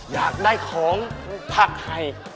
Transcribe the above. อยากได้ของผักให้